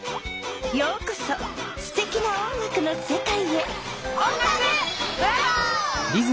ようこそすてきな音楽のせかいへ！